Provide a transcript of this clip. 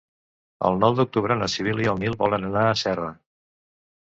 El nou d'octubre na Sibil·la i en Nil volen anar a Serra.